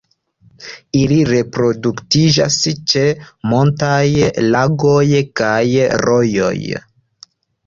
Ili reproduktiĝas ĉe montaj lagoj kaj rojoj.